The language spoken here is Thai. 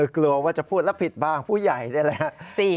กลัวว่าจะพูดแล้วผิดบ้างผู้ใหญ่นี่แหละ